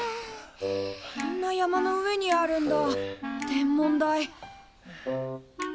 こんな山の上にあるんだ天文台。